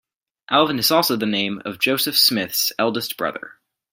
Alvin is also the name of Joseph Smith's eldest brother.